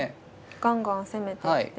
ガンガン攻めてって。